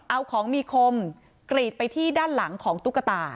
เอาของมีคมกรีดไปที่ด้านหลังของตุ๊กตา